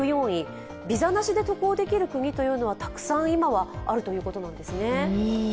ビザなしで渡航できる国はたくさん今あるということなんですね。